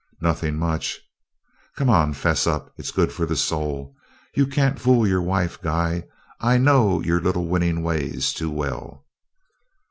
"Nothing much...." "Come on, 'fess up it's good for the soul. You can't fool your own wife, guy; I know your little winning ways too well."